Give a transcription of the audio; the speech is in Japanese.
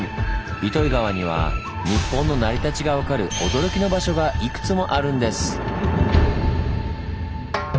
糸魚川には日本の成り立ちが分かる驚きの場所がいくつもあるんです！